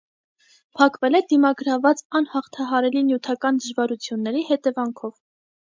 Փակվել է դիմագրաված անհաղթահարելի նյութական դժվարությունների հետևանքով։